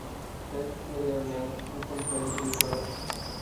test career ۾ triple century پڻ